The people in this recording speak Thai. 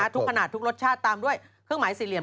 ทุกขนาดทุกรสชาติตามด้วยเครื่องหมายสี่เหลี่ย